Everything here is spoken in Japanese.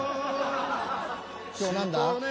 今日何だ？